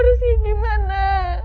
aku harus ngapain dimana